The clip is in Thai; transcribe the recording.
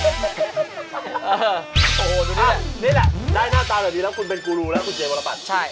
โอ้โหนี่แหละได้หน้าตาแบบนี้แล้วคุณเป็นกูรูแล้วคุณเจมส์วรรภัทร